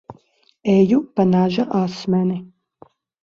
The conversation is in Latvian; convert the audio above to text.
Eju pa naža asmeni.